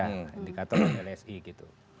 indikator dari lsi gitu